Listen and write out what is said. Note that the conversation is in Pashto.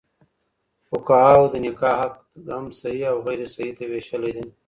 فقهاوو د نکاح عقد هم صحيح او غير صحيح ته ويشلی دی.